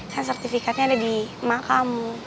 kan sertifikatnya ada di emak kamu